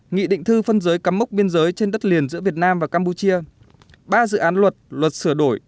bảy nghị định thư phân giới cắm mốc biên giới trên đất liền giữa việt nam và campuchia